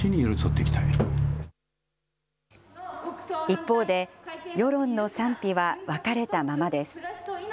一方で、世論の賛否は分かれたままです。